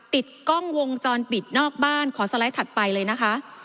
ติดกล้องวงจรปิดนอกบ้านขอสไลด์ถัดไปเลยนะคะ